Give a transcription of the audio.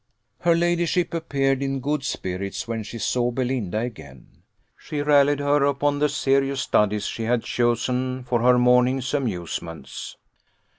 Her ladyship appeared in good spirits when she saw Belinda again. She rallied her upon the serious studies she had chosen for her morning's amusements.